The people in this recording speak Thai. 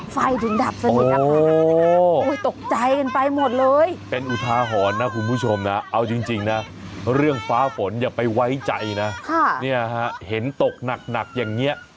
ไฟถึงดับสนิทดับมา